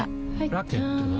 ラケットは？